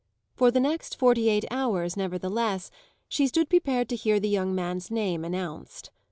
For the next forty eight hours, nevertheless, she stood prepared to hear the young man's name announced.